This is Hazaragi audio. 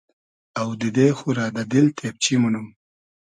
آودیدې خو رۂ دۂ دیل تېبچی مونوم